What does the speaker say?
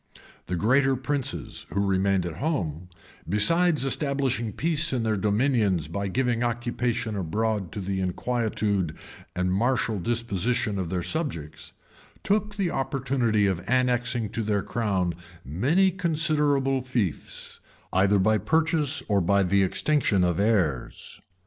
The greater princes, who remained at home, besides establishing peace in their dominions by giving occupation abroad to the inquietude and martial disposition of their subjects, took the opportunity of annexing to their crown many considerable fiefs, either by purchase or by the extinction of heirs.